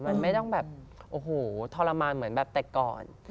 มันไม่ต้องแบบโอ้โหทรมานเหมือนแบบแต่ก่อน